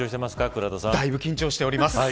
だいぶ緊張しております。